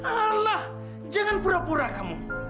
alah jangan pura pura kamu